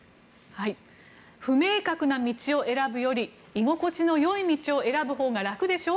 不明確な道を選ぶより居心地のいい道を選ぶほうが楽でしょう？